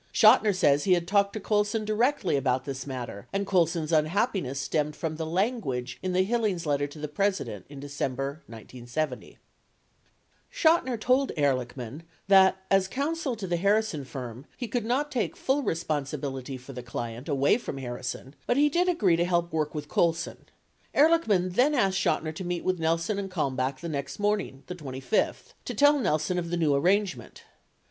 Chotiner says he had talked to Colson directly about this matter and Colson's unhappi ness stemmed from the language in Hillings' letter to the President in December 1970. Chotiner told Ehrlichman that as counsel to the Harrison firm he could not take full responsibility for the client away from Harrison, but he did agree to help work with Colson. Ehrlichman then asked Chotiner to meet with Nelson and Kalmbach the next morning the 25th, to tell Nelson of the new arrangement.